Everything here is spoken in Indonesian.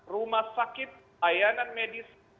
rumah sakit layanan medis